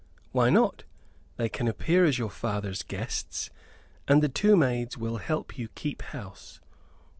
"Why not? They can appear as your father's guests, and the two maids will help you keep house.